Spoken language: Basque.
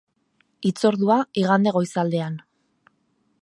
Hitzordua, igande goizaldean.